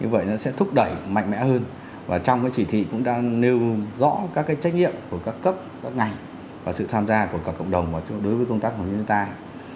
như vậy nó sẽ thúc đẩy mạnh mẽ hơn và trong cái chỉ thị cũng đang nêu rõ các cái trách nhiệm của các cấp các ngành và sự tham gia của cộng đồng đối với công tác phòng chống thiên tai